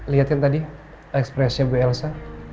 liatin tadi ekspresnya bu ilsa